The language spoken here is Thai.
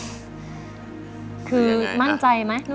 คือมั่นใจไหม